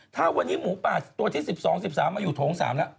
ถ้าวันนี้หมูป่าตัวที่๑๒๑๓มาอยู่โถง๓แล้ว